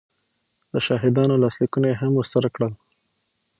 د شاهدانو لاسلیکونه یې هم ورسره کړل